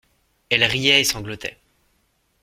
Elle riait et sanglotait.